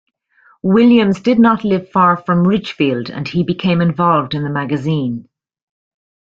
Williams did not live far from Ridgefield, and he became involved in the magazine.